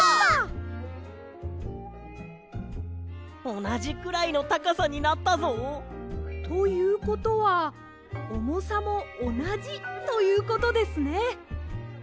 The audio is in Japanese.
おなじくらいのたかさになったぞ！ということはおもさもおなじということですね。